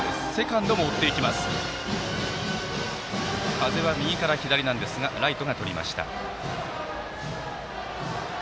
風は右から左なんですがライトがとりました。